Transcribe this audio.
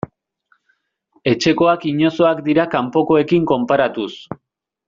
Etxekoak inozoak dira kanpokoekin konparatuz.